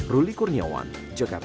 ruli kurniawan jakarta